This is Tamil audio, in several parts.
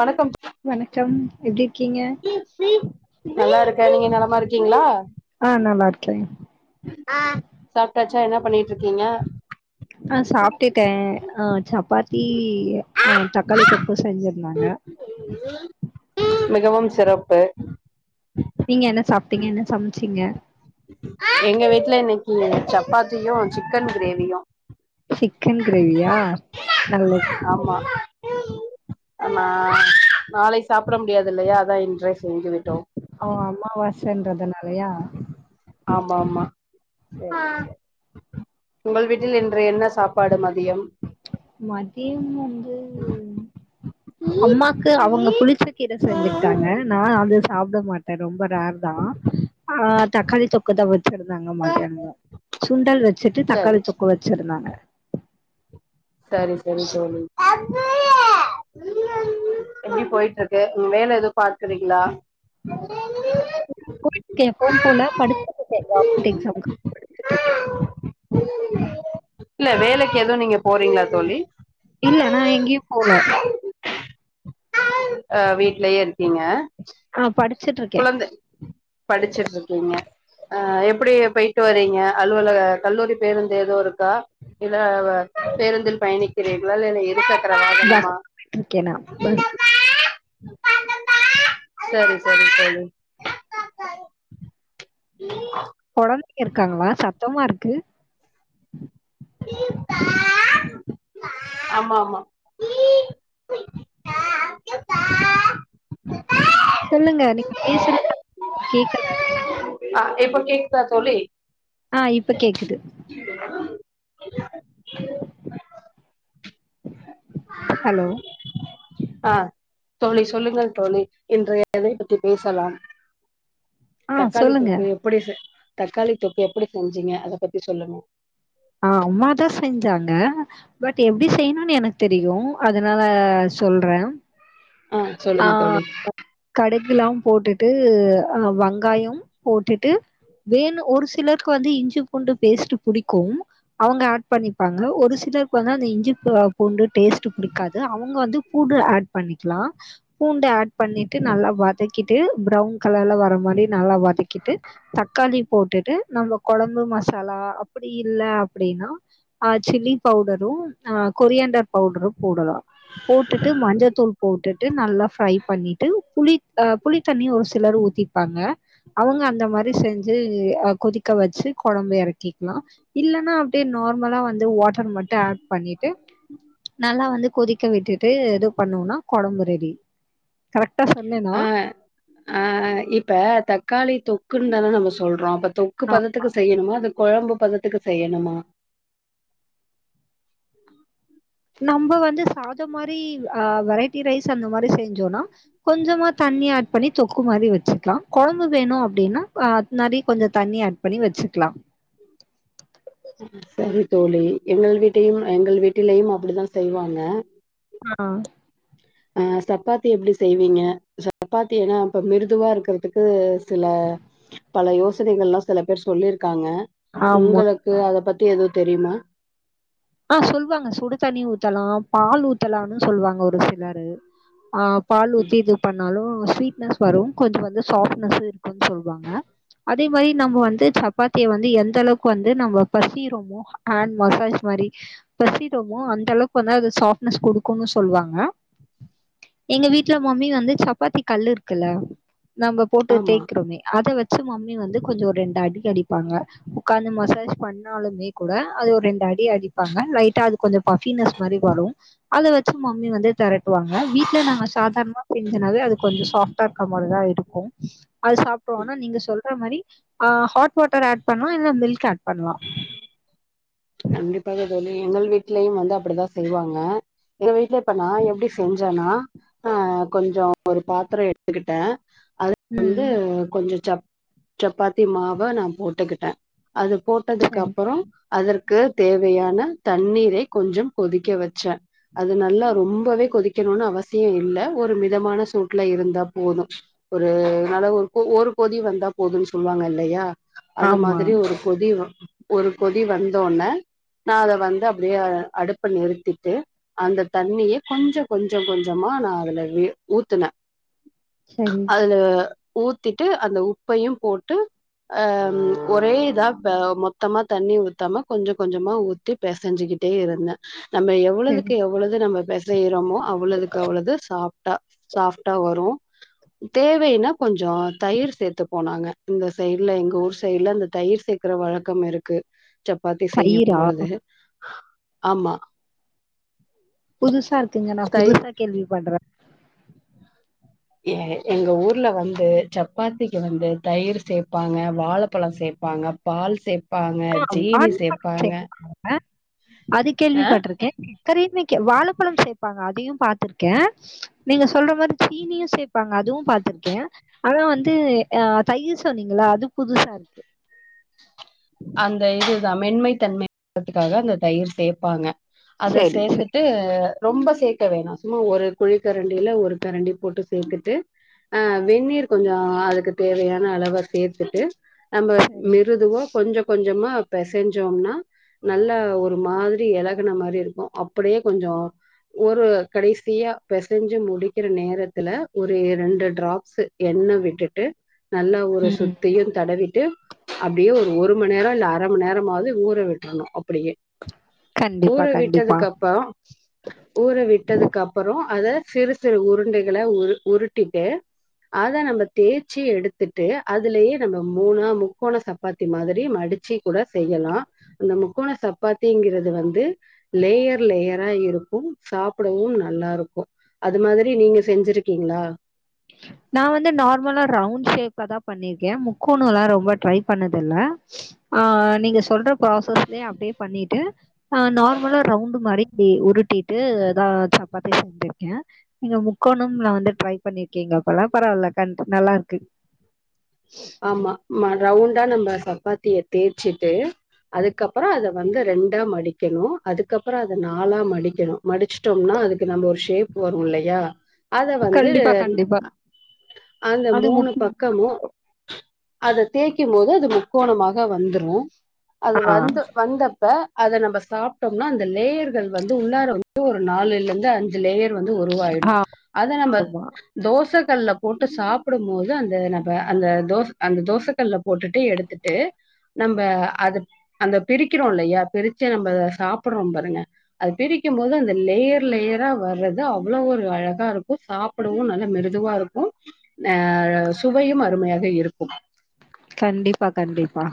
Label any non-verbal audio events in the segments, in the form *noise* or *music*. வணக்கம் வணக்கம் எப்டி இருக்கீங்க நல்லாருக்கே நீங்க நலமா இருக்கீங்களா ஆ நல்லா இருக்கே சாப்ட்டாச்சா என்ன பண்ணிகிட்ருக்கீங்க ஆ சாப்ட்டுட்டே ஆ சப்பாத்தி ஆ தக்காளி தொக்கூ செஞ்சிருந்தாங்க மிகவும் சிறப்பு நீங்க என்ன சாப்ட்டீங்க என்ன சமச்சீங்க எங்க வீட்டுல இன்னைக்கி சப்பாத்தியு சிக்கன் கிரேவியு சிக்கன் கிரேவியா நல்லது ஆமா ஆ நாளைக்கி சாப்ட முடியாது இல்லையா அதா இன்றே செஞ்சிவிட்டோம் ஓ அம்மாவாசன்றதுனாலயா ஆமா ஆமா சரி சரி உங்கள் வீட்டில் இன்று என்ன சாப்பாடு மதியம் மதியம் வந்து அம்மாக்கு அவுங்க புளிச்சக் கீர செஞ்சிட்டாங்க நா அது சாப்ட மாட்டே ரொம்ப ரேர் தா ஆ தக்காளி தொக்குதா வச்சிருந்தாங்க மத்தியானோ சுண்டல் வெச்சிட்டு சரி தக்காளி தொக்கு வெச்சிருந்தாங்க செரி செரி தோழி எப்டி போய்ட்டு இருக்கு வேல எது பாக்குறீங்களா போய்ட்டுருக்கு எப்போவும் போல படிச்சிட்டு இருக்கே கவர்மெண்ட் எக்ஸாம்க்கு படிச்சிட்டு இருக்கே இல்ல வேலைக்கு எது நீங்க போறீங் ளா தோழி இல்ல நான் எங்கேயும் போல. ஆ வீட்லயே இருக்கீங்க ஆ படிச்சிட்டு இருக்கே படிச்சிட்டு இருக்கீங்க அ எப்டி போயிட்டு வரீங்க அலுவலக கல்லூரி பேருந்து எது இருக்கா இல்ல பேருந்தில் பயணிக்கிறீர்களா இல்ல இருசக் கர பஸ்ல வாகனமா போயிட்டுருக்கேன் நான். பஸ்ல செரி செரி செரி கொழந்தைங்க இருக்காங்களா சத்தமா இருக்கு ஆமா ஆமா சொல்லுங்க நீங்க பேசுறதே கேக்கல ஆ இப்ப கேக்குதா தோழி ஆ இப்ப கேக்குது ஹலோ ஆ தோழி சொல்லுங்கள் தோழி இன்று எதை பத்தி பேசலாம் ஆ தக்காளி சொல்லுங்க. தொக்கு எப்படி செ தக்காளி தொக்கு எப்படி செஞ்சீங்க அத பத்தி சொல்லுங்க ஆ அம்மாதா செஞ்சாங்க பட் எப்டி செய்ணுனு எனக்கு தெரியு அதனால சொல்றே ஆ சொல்லுங்க தோழி கடுகுல்லா போட்டுட்டு அ வெங்காயம் போட்டுட்டு வேணு ஒரு சிலர்க்கு வந்து இஞ்சி பூண்டு பேஸ்ட்டு பிடிக்கும் அவுங்க ஆட் பண்ணிப்பாங்க ஒரு சிலருக்கு வந்து அந்த இஞ்சி பூண்டு டேஸ்ட்டு பிடிக்காது அவுங்க வந்து பூண்டு ஆட் பண்ணிக்கலா பூண்டு ஆட் பண்ணிட்டு நல்லா வதக் வதக்கிட்டு ப்ரவுன் கலர்ல வர மாரி நல்லா வதக்கிட்டு தக்காளி போட்டுட்டு நம்ம குழம்பு மசாலா அப்படி இல்ல அப்டினா அ சில்லி பவுடரும் ஆ கொரியான்டர் பவுடரு போடலா போட்டுட்டு மஞ்சத்தூள் போட்டுட்டு நல்லா ஃப்ரை பண்ணிட்டு புளி புளித்தண்ணியு ஒரு சிலர் ஊத்தி இருப்பாங்க அவுங்க அந்த மாரி செஞ்சு கொதிக்க வச்சு குழம்பு இறக்கிக்கலாம் இல்லன்னா அப்படியே நார்மலா வந்து வாட்டர் மட்டு ஆட் பண்ணிட்டு நல்லா வந்து கொதிக்க விட்டுட்டு எது பண்ணுனா கொழம்பு ரெடி கரெக்டா சொன்னேனா அ அ இப்ப தக்காளி தொக்குன்னு தான நம்ம சொல்றோ அப்ப தொக்கு ஆ பதத்துக்கு செய்யணுமா அது கொழம்பு பதத்துக்கு செய்யணுமா நம்ம வந்து சாதம் மாரி அ வெரைட்டி ரைஸ் அந்த மாரி செஞ்சோம்னா கொஞ்சமா தண்ணி ஆட் பண்ணி தொக்கு மாரி வச்சுக்கலா கொழம்பு வேணு அப்டின்னா அ நெறைய கொஞ்சோ தண்ணி ஆட் பண்ணும் பண்ணி வச்சுக்கலா சரி தோழி எங்கள் வீட்டையும் எங்கள் வீட்டிலயும் அப்டித்தா செய்வாங்க அ அ சப்பாத்தி எப்டி செய்வீங்க சப்பாத்தி ஏன்னா இப்ப மிருதுவா இருக்கிறதுக்கு சில பல யோசனைகள் எல்லா சில பேர் சொல்லியிருக்காங்க ஆமா உங்களுக்கு கு அத பத்தி எதுவு தெரியுமா அ சொல்லுவாங்க சுடுதண்ணி ஊத்தலா பால் ஊத்தலா சொல்லுவாங்க ஒரு சிலரு அ பால் ஊத்தி இது பண்ணாலு ஸ்வீட் ஸ்வீட்னஸ்வரும் கொஞ்சோ வந்து சாஃப்ட்னஸ் இருக்குன்னு சொல்லுவாங்க அதே மாரி நம்ம வந்து சப்பாத்திய வந்து எந்த அளவுக்கு வந்து நம்ம பெசிரோமோ ஆன் மசாஜ் மாறி பெசிரோமோ அந்த அளவுக்கு வந்து அது சாஃப்ட்னஸ் குடுக்கும்ன்னு சொல்லுவாங்க எங்க வீட்டுல மம்மி வந்து சப்பாத்தி கல்லு இருக்குல்ல நம்ம போட்டு ஆமா தேய்கிறோமே அத வச்சு மம்மி வந்து கொஞ்சோ ரெண்டு அடி அடிப்பாங்க ஒக்காந்து மசாஜ் பண்ணாலுமே கூட அது ஒரு ரெண்டு அடி அடிப் பாங்க லைட்டா அது கொஞ்சோ பபினஸ் மாரி வரு அத வச்சு மம்மி வந்து தெரட்டுவாங்க வீட்ல நாங்க சாதாரணமா செஞ்சனாவே அது கொஞ்சோ சாஃப்டா இருக்க மாரிதா இருக்கு அது சாப்டுவோ ஆனா நீங்க சொல்ற மாதிரி அ ஹாட் வாட்டர் ஆட் பண்ணுவ இல்ல மில்க் ஆட் பண்லா கண்டிப்பாக தோழி எங்கள் வீட்லயும் வந்து அப்டிதா செய்வாங்க எங்க வீட்டு்ல இப்ப நா எப்டி செஞ்சன்னா அ கொஞ்சோ ஒரு பாத்திரோ எடுத்துக்கிட்டே அது வந்து ம் கொஞ்சோ சப் சப்பாத்தி மாவ நா போட்டுக்கிட்டே அது போட்டதுக்கு சரி அப்பறோ அதற் க்கு தேவையான தண்ணீரை கொஞ்சம் கொதிக்க வச்சே அது நல்லா ரொம்பவே கொதிக்கணும்னு அவசிய இல்ல ஒரு மிதமான சூட்டில இருந்தா போதும் ஒரு *unintelligible* ஒரு கொதி வந்தா போதும்ன்னு சொல்லுவாங்க இல்லையா அது ஆமா மாதிரி ஒரு கொதி ஒரு வந்தோனே நா அத வந்து அப்டியே அடுப்ப நிறுத்திட்டு அந்த தண்ணியே கொஞ்ச கொஞ்ச கொஞ்சமா நா அதுல வி ஊத்துனே செரி அதுல ஊத்திட்டு அந்த உப்பயு போட்டு அ ஒரே இதா மொத்தமா தண்ணி ஊத்தாம கொஞ்ச கொஞ்சமா ஊத்தி பெசஞ்சுக்கிட்டே இருந்தே நம்ம சரி எவ்ளதுக்கு எவ்ளது நம்ம பெச செய்றமோ அவ்ளதுக்கு அவ்ளது சாப்டா சாப்டா வரு தேவைன்னா கொஞ்சோ தயிர் சேத்துப்போ நாங்க இந்த சைடுல எங்க ஊர் சைடுல அந்த தயிர் சேத் க்கற வழக்கம் இருக்கு பாத்தி செய்யும் தயிரா பொழுது ஆமா புதுசா இருக்குங்க நா தை புதுசா கேள்விபடுறே ஏ எங்க ஊர்ல வந்து சப்பாத்திக்கு வந்து தயிர் சேப்பாங்க வாழப்பழோ சேப்பாங்க பால் சேப் *inaudible* ஆ அது அ கேள்விப்பட்ருக்கே கடேசிக்கு வாழப்பழம் சேப்பாங்க அதையு பாத்திருக்கே நீங்க சொல்ற மாரி சீனியு சேப்பாங்க அதுவு பாத்திருக்கே ஆனா வந்து அ தையிர் சொன்னீங்களா அது புதுசா இருக்கு அந்த இதுதா மென்மை தன்மைதுக்காக அந்த தயிர் சேப்பாங்க அத சேரி சேத்து சேரி ட்டு ரொம்ப சேக்க வேணா சும்மா ஒரு குழி கரண்டில ஒரு கரண்டி போட்டு சேத்துட்டு அ வெந்நீர் கொஞ்சோ அதுக்கு தேவயான அளவு சேத்துட்டு நம்ம சேரி மிருதுவா கொஞ்ச கொஞ்சமா பெசஞ்சோம்னா நல்ல ஒரு மாதிரி எலகுன மாரி இருக்கு அப்டியே கொஞ்சோ ஒரு கடைசியா பெசஞ்சு முடிக்கிற நேரத்துல ஒரு ரெண்டு டிராப்ஸ் எண்ண விட்டுட்டு நல்ல ஒரு ம் சுத்தியு தடவிட்டு அப்டியே ஒரு மந்நேர இல்ல அரை மந்நேரமாவது ஊற விட்றணு அப்டியே ஊற கண்டிப்பா கண்டிப்பா விட்டதுக் அப்பறோ ஊற விட்டதுக் அப்பறோ அத சிறு சிறு உருண்டைகள உரு உருட்டிட்டு அத நம்ம தேச்சி எடுத்துட்டு அதுலயே நம்ம மூணா முக்கோண ச ப்பாத்தி மாதிரி மடிச்சு கூட செய்யலா அந்த முக்கோண சப்பாத்திங்கிறது வந்து லேயர் லேயரா இருக்கு சாப்டவு நல்லாருக்கு அது மாதிரி நீங்க செஞ்சிருக்கீங்ளா நா வந்து நார்மலா ரவுண்ட் ஷேப்லதா பண்ணிருக்கே முக்கோணல்லா ரொம்ப ட்ரை பண்ணதுல்ல ஆ நீங்க சொல்ற ப்ராசஸ்லயே அப்டியே பண்ணிட்டு அ நார்மலா ரவுண்ட் மாரி அப்டி உருட்டிட்டு அதா சப்பாத்திய செஞ்சிருக்கே நீங்க முக்கோணம்ல வந்து ட்ரை பண்ணி ருக்கிங்க போல பரவால்ல கண்ட் நல்லாருக்கு ஆமா ரவுண்டா நம்ப சப்பாத்திய தேச்சிட்டு அதுக்கப்றோ அத வந்து ரெண்டா மடிக்கணு அதுக்கப்றோ அது நாலா மடிக்கணு மடிச்சிட்டோம்னா அதுக்கு நம்ப ஒரு ஷேப் வரு இல்லையா அத வந்து கண்டிப்பா கண்டிப்பா அந்த அது முக் பக்கமு அத தேய்க்கும் போது அது முக்கோணமாக வந்துரு அது ஆ வந்து வந்தப்ப அத நம்ம சாப்ட்டோம்னா அந்த லேயர்கள் வந்து உள்ளார வந்து ஒரு நாலுல இருந்து அஞ் சு லேயர் வந்து உருவாயிடு அத நம்ம ஆமா தோச கல்ல போட்டு சாப் டும்போது அந்த நம்ம அந்த தோச அந் தோசக்கல்ல போட்டுட்டு எடுத்துட்டு நம்ப அது அந்த பிரிக்கிறோ இல்லையா பிரிச்சு நம்ப அத சாப்பறோ பாருங்க அது பிரிக்குமிபோது அந்த லேயர் லேயரா வர்றது அவ்ளோ ஒரு அழகா இருக்கு சாப் டவு நல்ல மிருதுவா இருக்கு அ சுவையு அருமையாக இருக்கு கண்டிப்பா கண்டிப்பா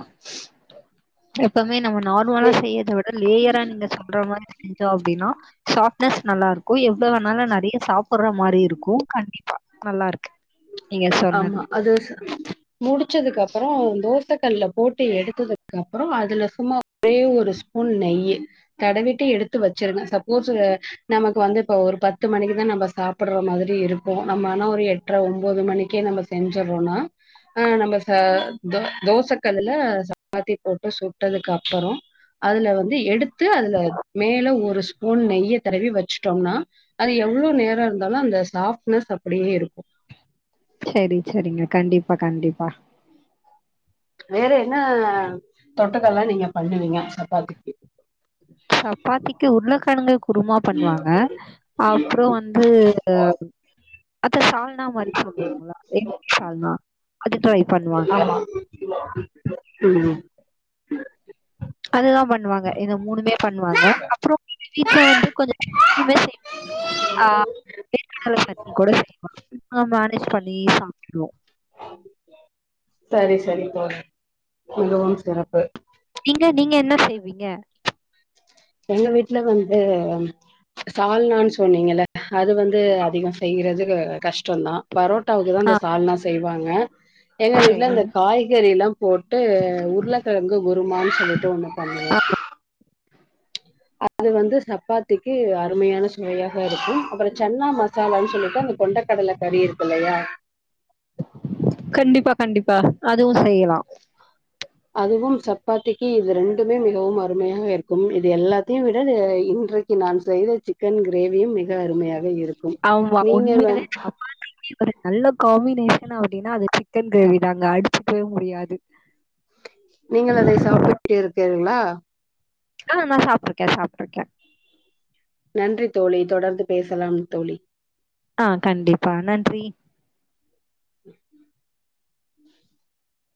எப்பவ்மே நம்ம நார்மலா வே செய்ரத விட லேயரா நீங்க சொல்ற மாதிரி செஞ்சோ அப்டின்னா சாப்ட்னஸ் நல்லாருக்கு எவ்வளவ் வேணாலு நெறைய சாப்பர்ற மாதிரி இருக்கு நல்லாருக்கு நீங்க சொன்னது. ஆம்மா அது முடிச்சதுக் அப்றோ தோச கல்ல போட்டு எடுத்ததுக்கு அப்றோ அதுல சும்மா ஒரே ஒரு ஸ்பூன் நெய்யி தடவிட்டு எடுத்து வெச்சிருங்க சப்போஸ் நமக்கு வந்து இப்ப ஒரு பத்து மணிக்குதா நம்ம சாப்ர்ற மாதிரி இருக்கு நம்ம ஆனா ஒரு எட்டரை ஒம்போது மணிக் கே நம்ம செஞ்சர்றோனா ஆ நம்ப ச தோசக்கல்லுல சப்பாத்தி போட்டு சுட்டதுக் அப்பறோ அதுல வந்து எடுத்து அதுல மேல ஒரு ஸ்பூன் நெய்ய தடவி வெச்சுட்டோம்னா அது எவ்ளோ நேரோ இருந்தாலு அந்த சாஃப்ட்னஸ் அப்டியே இருக்கு செரி செரிங்க கண்டிப்பா கண்டிப்பா வேற என்ன தொட்டக்கல்லா நீங்க பண்ணுவீங்க சப்பாத்திக்கு சப்பாத்திக்கு உருளைக் கெழங்கு குருமா பண்ணுவாங்க அப்புறோ வந்து அப்ப சா ல்னா மாரி சொல்லுவோம்ல எம்டி சால்னா அது ட்ரை பண்ணுவாங்க ஆமா ம் அதுதா பண்ணுவாங்க இந்த மூணுமே பண்ணுவாங்க அப்புறோ வீட்டுல வந்து கொஞ்ச தீம செய் ஆ வேர் கடல சட்னி கூட செய்வாங்க நாங்க மேனேஜ் பண்ணி சாப்ட்ருவோ சரி சரி தோழி மிகவும் சிறப்பு நீங்க நீங்க என்ன செய்வீங்க எங்க வீட்ல வந்து சால்னான்னு சொன்னீங்கல அது வந்து அதிகோ செய்யறது கஷ் டோந்தா பரோட்டாவுக்குதா ஆ இந்த சால்னா செய்வாங்க எங்க வீட்ல சரி இந்த காய் கறிலா போட்டு உருளைக்கெழங்கு குருமான்னு சொல்லிட்டு ஒண்ணு பண்ணுவோ ஆ அது வந்து சப்பாத்திக்கு அருமையான சுவையா ருக்கு அப்பறோ சன்னா மசாலான்னு சொல்லிட்டு அந்த கொண்டக்கடல கறி இருக்குல்லையா கண்டிப்பா கண்டிப்பா அதுவு செய்யலா அதுவு சப்பாத்திக்கு இது ரெண்டுமே மிகவும் அருமையாக இருக்கு இது எல்லாத்தையு விட இன்றைக் கு நா செய்த சிக்கன் கிரேவியு மிக அருமையாக இருக்கு ஆமா நீங்க உண்மையாலே சப்பாத்திக்கு ஒரு நல்ல காம்பினேஷன் அப்டின்னா அது சிக்கன் கிரேவி தாங்க அடிச்சுக்கவே முடியாது நீங்கள் அதை சாப்பிட்டு இருக்கீங்களா ஆ நா சாப்புட்டுருக்கே சாப்புட்டுருக்கே நன்றி தோழி தொடர்ந்து பேசலா தோழி ஆ கண்டிப்பா நன்றி